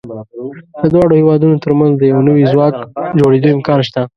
د دواړو هېوادونو تر منځ د یو نوي ځواک جوړېدو امکان شته.